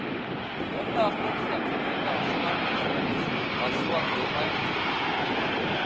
Әле автобуста килгәндә ошоларҙы иҫенә төшөрөп, Айсыуаҡ йылмайып ҡуйҙы.